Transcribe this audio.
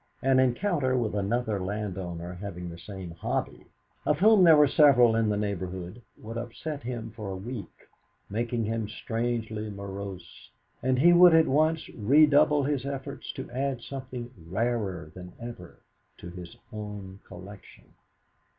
An encounter with another landowner having the same hobby, of whom there were several in his neighbourhood, would upset him for a week, making him strangely morose, and he would at once redouble his efforts to add something rarer than ever to his own collection.